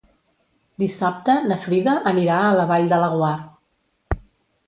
Dissabte na Frida anirà a la Vall de Laguar.